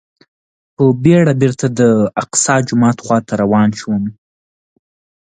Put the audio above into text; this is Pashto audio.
په بېړه بېرته د الاقصی جومات خواته روان شوم.